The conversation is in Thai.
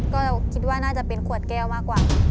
ก็คิดว่าน่าจะเป็นขวดแก้วมากกว่า